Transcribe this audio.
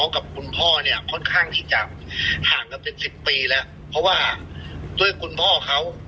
กับคุณพ่อเนี่ยค่อนข้างที่จะห่างกันเป็นสิบปีแล้วเพราะว่าด้วยคุณพ่อเขา